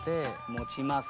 持ちます。